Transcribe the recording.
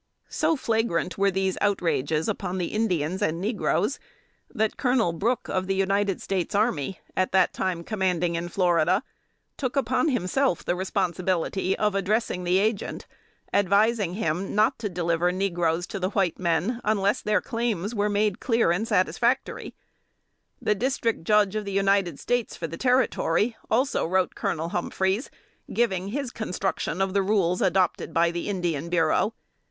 So flagrant were these outrages upon the Indians and negroes, that Colonel Brooke, of the United States Army, at that time commanding in Florida, took upon himself the responsibility of addressing the Agent, advising him not to deliver negroes to the white men, unless their "claims were made clear and satisfactory." The District Judge of the United States for the Territory, also wrote Colonel Humphreys, giving his construction of the rules adopted by the Indian Bureau.